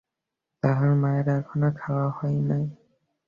তাহার মায়ের তখনও খাওয়া হয় নাই।